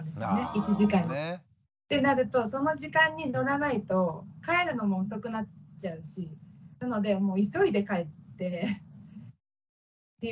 １時間に。ってなるとその時間に乗らないと帰るのも遅くなっちゃうしなので急いで帰ってっていう感じの。